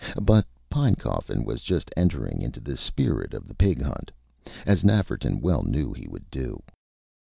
But Pinecoffin was just entering into the spirit of the Pig hunt, as Nafferton well knew he would do.